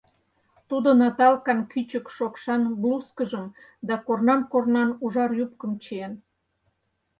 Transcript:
Тудо Наталкан кӱчык шокшан блузкыжым да корнан-корнан ужар юбкым чиен.